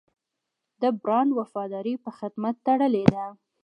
د برانډ وفاداري په خدمت تړلې ده.